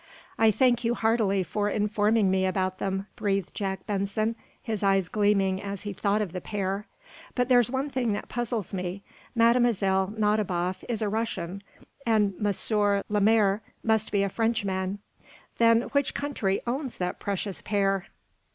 "I thank you heartily for informing me about them," breathed Jack Benson, his eyes gleaming as he thought of the pair. "But there's one thing that puzzles me. Mlle. Nadiboff is a Russian, and M. Lemaire must be a Frenchman. Then which country owns that precious pair?"